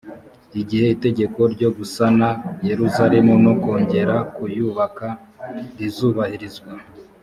igihe itegeko ryo gusana yerusalemu no kongera kuyubaka rizubahirizwa